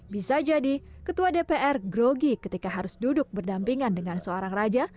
bisa jadi ketua dpr grogi ketika harus duduk berdampingan dengan seorang raja